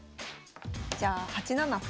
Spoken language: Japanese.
じゃあ８七歩。